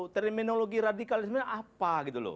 terminologi radikal ini sebenarnya apa